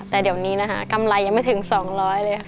แต่เดี๋ยวนี้นะคะกำไรยังไม่ถึง๒๐๐เลยค่ะ